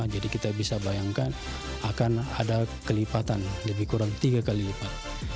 jadi kita bisa bayangkan akan ada kelipatan lebih kurang tiga kali lipat